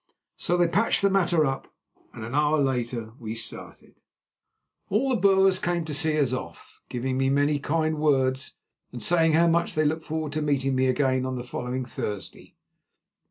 So they patched the matter up, and an hour later we started. All the Boers came to see us off, giving me many kind words and saying how much they looked forward to meeting me again on the following Thursday.